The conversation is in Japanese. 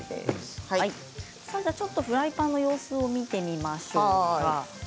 フライパンの様子を見てみましょうか。